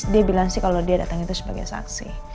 dia bilang sih kalau dia datang itu sebagai saksi